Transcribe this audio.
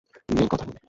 নে কথা বল!